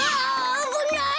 あぶない。